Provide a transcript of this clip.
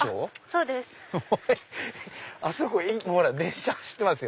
そうです。